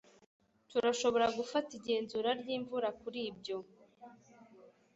turashobora gufata igenzura ryimvura kuri ibyo